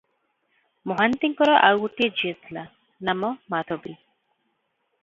ମହାନ୍ତିଙ୍କର ଆଉ ଗୋଟିଏ ଝିଅ ଥିଲା, ନାମ ମାଧବୀ ।